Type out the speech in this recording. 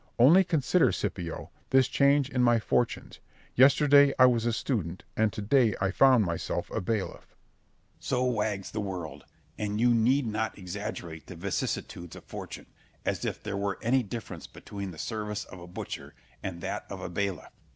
Only consider, Scipio, this change in my fortunes, Yesterday I was a student, and to day I found myself a bailiff. Scip. So wags the world, and you need not exaggerate the vicissitudes of fortune, as if there were any difference between the service of a butcher and that of a bailiff.